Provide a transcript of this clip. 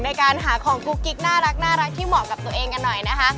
ในการหาของกุ๊กกิ๊กน่ารักที่เหมาะกับตัวเองกันหน่อยนะคะ